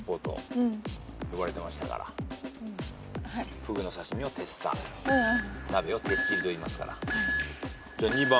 フグの刺し身をてっさ鍋をてっちりといいますから。